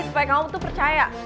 supaya kamu tuh percaya